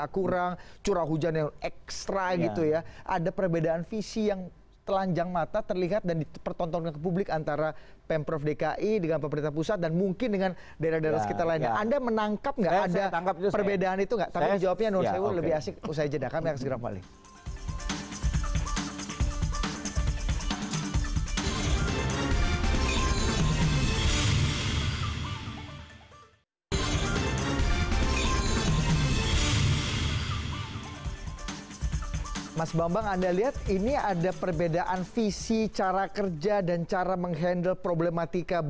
karena kepentingan politik